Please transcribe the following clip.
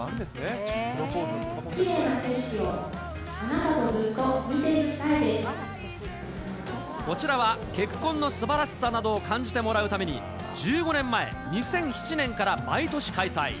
きれいな景色をあなたとずっこちらは、結婚のすばらしさなどを感じてもらうために、１５年前、２００７年から毎年開催。